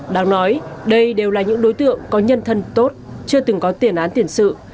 đáng nói đây đều là những đối tượng có nhân thân tốt chưa từng có tiền án tiền sự